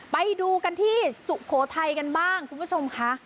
ไปดูกันที่สุโขทัยกันบ้างคุณผู้ชมค่ะ